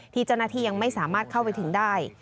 ที่เจ้าหน้าที่ยังไม่สามารถเข้าไปถึงได้